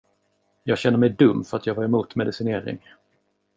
Jag känner mig dum för att jag var emot medicinering.